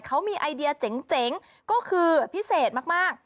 เขามีไอเดียเจ๋งก็คือพิเศษมาก